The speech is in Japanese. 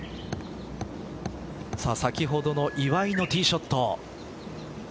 先ほどの岩井のティーショット。